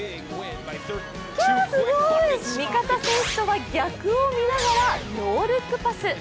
味方選手とは逆を見ながらノールックパス。